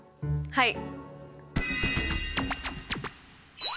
はい。